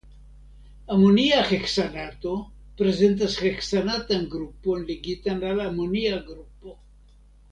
Amonia heksanato prezentas heksanatan grupon ligitan al amonia grupo.